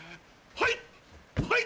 はい！